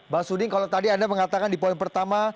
bang suding kalau tadi anda mengatakan di poin pertama